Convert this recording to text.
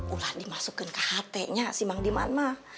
ulah dimasukin kht nya si bang diman mah